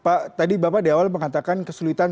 pak tadi bapak di awal mengatakan kesulitan